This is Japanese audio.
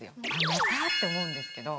また？って思うんですけど。